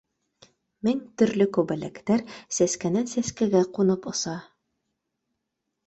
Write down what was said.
Мең төрлө күбәләктәр сәскәнән сәскәгә ҡунып оса